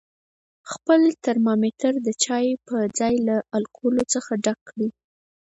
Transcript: خپل ترمامتر د چای په ځای له الکولو څخه ډک کړئ.